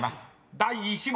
第１問］